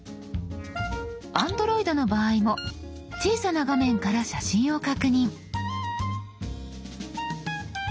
Ａｎｄｒｏｉｄの場合も小さな画面から写真を確認。